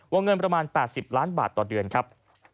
เงินประมาณ๘๐ล้านบาทต่อเดือนครับ